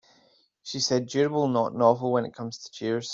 She said durable not novel when it comes to chairs.